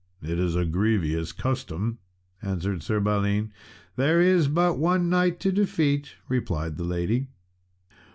"It is a grievous custom," answered Sir Balin. "There is but one knight to defeat," replied the lady.